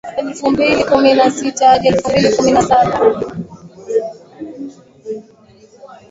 Elfu mbili kumi na sita hadi elfu mbili kumi na saba